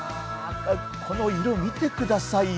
この色、見てくださいよ。